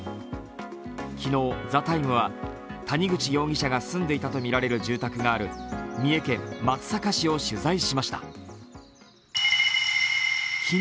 昨日、「ＴＨＥＴＩＭＥ，」は谷口容疑者が住んでいたとみられている住宅がある三重県松阪市を取材しました。